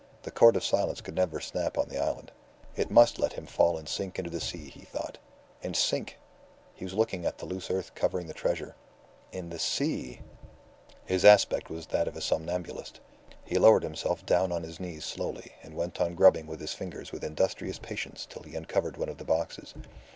The cord of silence could never snap on the island. It must let him fall and sink into the sea, he thought. And sink! He was looking at the loose earth covering the treasure. In the sea! His aspect was that of a somnambulist. He lowered himself down on his knees slowly and went on grubbing with his fingers with industrious patience till he uncovered one of the boxes.